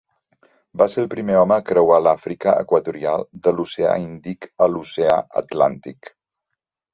Va ser el primer home a creuar l'Àfrica Equatorial de l'oceà Índic a l'oceà Atlàntic.